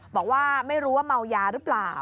บอกว่าไม่รู้ว่าเมายาหรือเปล่า